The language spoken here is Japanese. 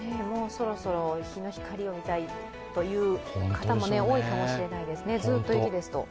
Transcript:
もうそろそろ日の光を見たいという方も多いかもしれないですね。